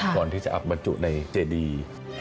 ก่อนที่จะอับบรรจุในเจดี